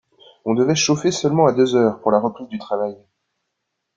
On devait chauffer seulement à deux heures, pour la reprise du travail.